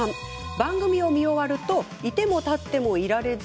番組を見終わるといても立ってもいられず。